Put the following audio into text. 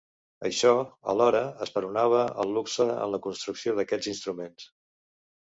Això, alhora, esperonava el luxe en la construcció d'aquests instruments.